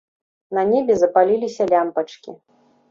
На небе запаліліся лямпачкі.